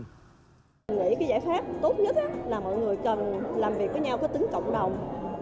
mình nghĩ cái giải pháp tốt nhất là mọi người cần làm việc với nhau có tính cộng đồng